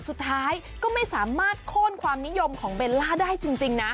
สุดท้ายก็ไม่สามารถโค้นความนิยมของเบลล่าได้จริงนะ